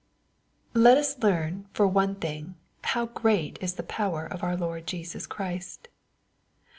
Let us learn, for one thing, how great is the power of our Lord Jesus Christ.